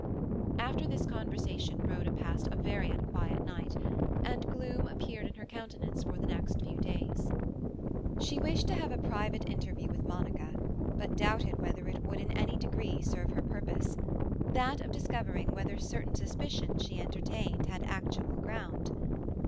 After this conversation Rhoda passed a very unquiet night, and gloom appeared in her countenance for the next few days. She wished to have a private interview with Monica, but doubted whether it would in any degree serve her purpose—that of discovering whether certain suspicions she entertained had actual ground.